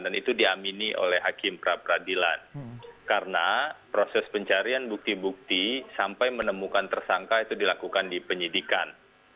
dan itu diamini oleh hakim pra peradilan karena proses pencarian bukti bukti sampai menemukan tersangka itu dilakukan di penyidikan